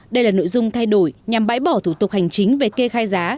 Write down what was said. đây là nội dung thay đổi nhằm bãi bỏ thủ tục hành chính về kê khai giá